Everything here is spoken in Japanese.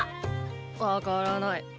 ⁉わからない。